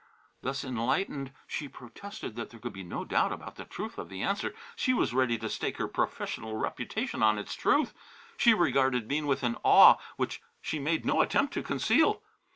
Thus enlightened, she protested that there could be no doubt about the truth of the answer; she was ready to stake her professional reputation on its truth. She regarded Bean with an awe which she made no attempt to conceal.